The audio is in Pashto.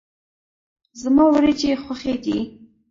زما وريجي خوښي دي.